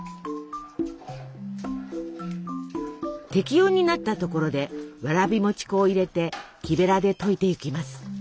適温になったところでわらび餅粉を入れて木べらで溶いていきます。